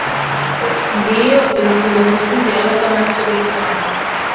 Ngiyo inzu uwo musizi yabagamo akiri umwana.